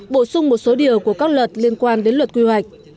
bổ sung một số điều của các luật liên quan đến luật quy hoạch